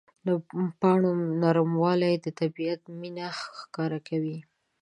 د پاڼو نرموالی د طبیعت مینه ښکاره کوي.